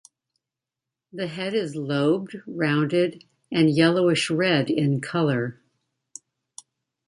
The head is lobed, rounded and yellowish red in colour.